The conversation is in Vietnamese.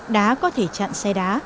đá có thể chặn xe đá